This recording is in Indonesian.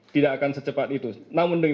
tidak akan secepat itu namun